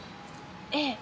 ええ。